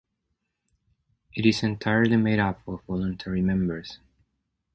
It is entirely made up of voluntary members.